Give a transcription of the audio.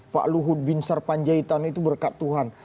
pak luhut bin sarpanjaitan itu berkat tuhan